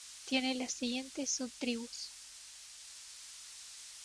Tiene las siguientes subtribus.